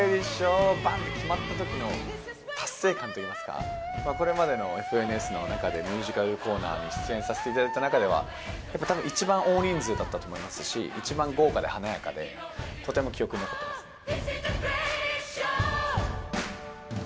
バンって決まったときの達成感といいますかこれまでの『ＦＮＳ』の中でミュージカルコーナーに出演させていただいた中ではたぶん一番大人数だったと思いますし一番豪華で華やかでとても記憶に残ってます。